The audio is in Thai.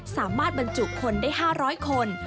สามารถบรรจุคนได้๕๐๐คน